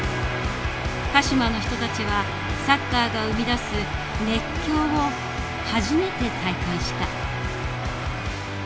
鹿嶋の人たちはサッカーが生み出す「熱狂」を初めて体感した。